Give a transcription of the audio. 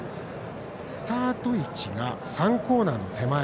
スタート位置が３コーナーの手前。